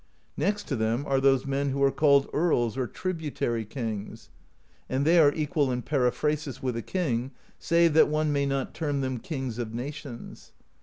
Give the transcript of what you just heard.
Next to them are those men who are called earls or tributary kings: and they are equal in periphrasis with a king, save that one may not term them kings of nations.